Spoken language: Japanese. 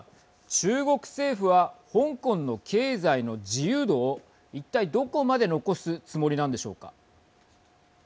中国政府は香港の経済の自由度を一体どこまで残すつもりなんでしょうか。